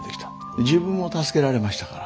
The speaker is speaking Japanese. で自分も助けられましたから。